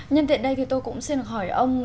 nhân tiện đây thì tôi cũng xin hỏi ông